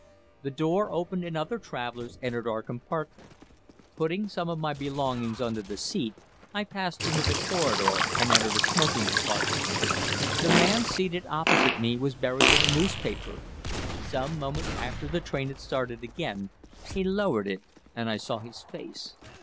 The door opened and other travellers entered our compartment. Putting some of my belongings on to my seat, I passed into the corridor and entered a smoking compartment. The man seated opposite me was buried in a newspaper. Some moments after the train had started again, he lowered it, and I saw his face.